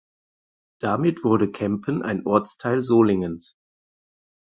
Damit wurde Kempen ein Ortsteil Solingens.